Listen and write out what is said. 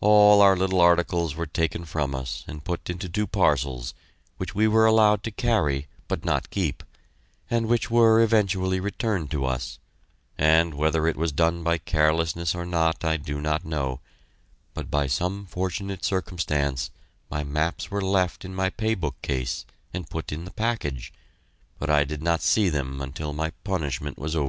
All our little articles were taken from us and put into two parcels, which we were allowed to carry, but not keep, and which were eventually returned to us, and, whether it was done by carelessness or not I do not know, but by some fortunate circumstance my maps were left in my pay book case and put in the package, but I did not see them until after my punishment was over.